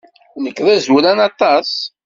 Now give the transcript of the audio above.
Nekk d azuran aṭas.